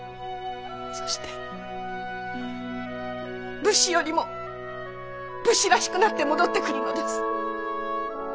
そして武士よりも武士らしくなって戻ってくるのです。